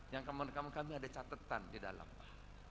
yang kami menekan kami ada catetan di dalam pak